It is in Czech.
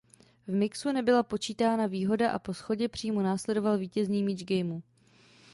V mixu nebyla počítána „výhoda“ a po „shodě“ přímo následoval vítězný míč gamu.